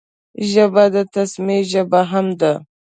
ژبه د تسلیمۍ ژبه هم ده